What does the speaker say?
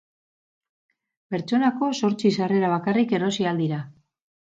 Pertsonako zortzi sarrera bakarrik erosi ahal dira.